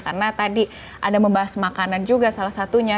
karena tadi ada membahas makanan juga salah satunya